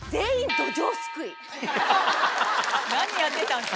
何やってたんすか。